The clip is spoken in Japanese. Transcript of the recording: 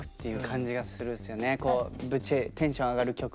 こうテンション上がる曲で。